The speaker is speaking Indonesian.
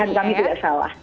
jadi pilihan kami tidak salah